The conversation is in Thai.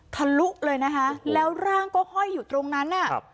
ทะลุเลยนะคะแล้วร่างก็ห้อยอยู่ตรงนั้นน่ะ